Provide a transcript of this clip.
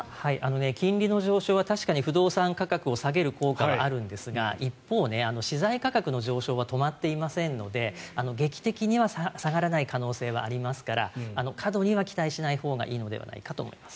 金利の上昇は確かに不動産の価格を下げる効果があるんですが一方、資材価格の上昇は止まっていませんので劇的には下がらない可能性はありますから過度には期待しないほうがいいのではないかと思います。